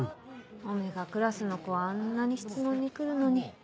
Ωクラスの子はあんなに質問に来るのに。